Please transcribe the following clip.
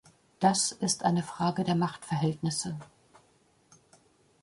Das ist eine Frage der Machtverhältnisse.